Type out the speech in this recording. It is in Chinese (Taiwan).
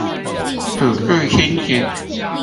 輔助親子